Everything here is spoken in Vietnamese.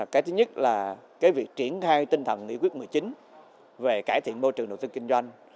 cái thứ nhất là cái việc triển khai tinh thần nghị quyết một mươi chín về cải thiện môi trường đầu tư kinh doanh